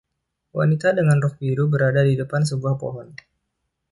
Wanita dengan rok biru berada di depan sebuah pohon